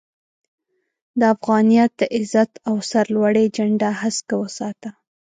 د افغانيت د عزت او سر لوړۍ جنډه هسکه وساته